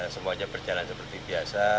semuanya berjalan seperti biasa